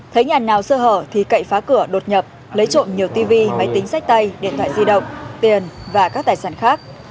thấy nhà nào sơ hở thì cậy phá cửa đột nhập lấy trộm nhiều tv máy tính sách tay điện thoại di động tiền và các tài sản khác